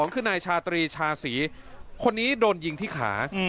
คือนายชาตรีชาศรีคนนี้โดนยิงที่ขา